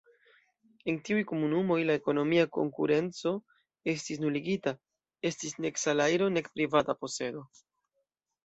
En tiuj komunumoj la ekonomia konkurenco estis nuligita, estis nek salajro nek privata posedo.